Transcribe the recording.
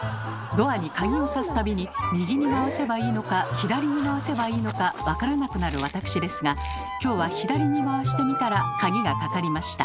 ドアに鍵をさす度に右に回せばいいのか左に回せばいいのか分からなくなるわたくしですが今日は左に回してみたら鍵がかかりました。